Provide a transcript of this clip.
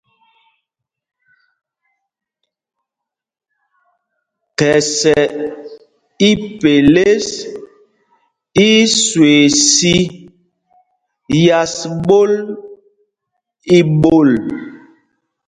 Khɛsɛ ipelês í í swee sī yas ɓól í ɓol.